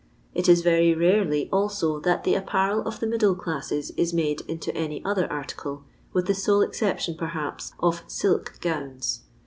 It is very rarely also that the apparel of the middle classes is made into any other article, with the sole ex ception, perhaps, of silk gowns.